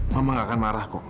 mama gak akan marah kok